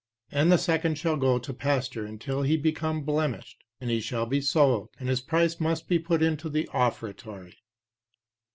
And the second shall go to pasture, until he become blemished, and he shall be sold, and his price must be put into the offertory.